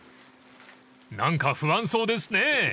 ［何か不安そうですね］